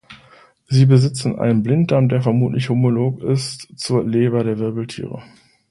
Sie besitzen einen Blinddarm, der vermutlich homolog ist zur Leber der Wirbeltiere.